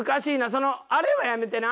そのあれはやめてな。